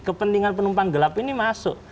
kepentingan penumpang gelap ini masuk